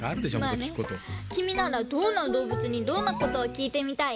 きみならどんなどうぶつにどんなことをきいてみたい？